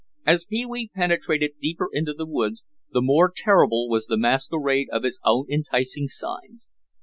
As Pee wee penetrated deeper into the woods the more terrible was the masquerade of his own enticing signs.